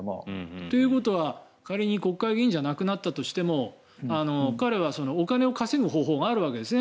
ということは仮に国会議員じゃなくなったとしても彼はお金を稼ぐ方法があるわけですね。